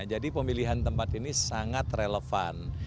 jadi pemilihan tempat ini sangat relevan